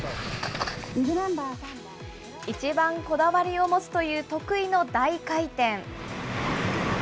一番こだわりを持つという得意の大回転。